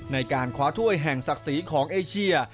ในการคว้าถ้วยแห่งศักดิ์ศรีของเอเชีย